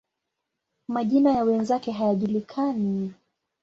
Majina ya wenzake hayajulikani.